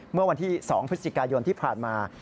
เมื่อวันที่๒พฤศจิกายนที่ผ่านมา